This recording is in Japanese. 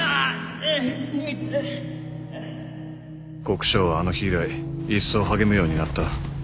国生はあの日以来いっそう励むようになった。